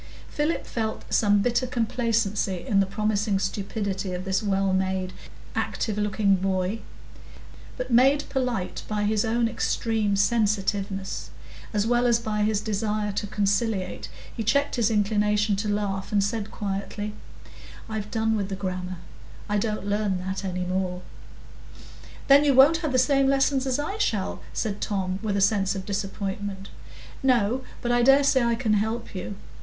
Philip felt some bitter complacency in the promising stupidity of this well made, active looking boy; but made polite by his own extreme sensitiveness, as well as by his desire to conciliate, he checked his inclination to laugh, and said quietly,— "I've done with the grammar; I don't learn that any more." "Then you won't have the same lessons as I shall?" said Tom, with a sense of disappointment. "No; but I dare say I can help you.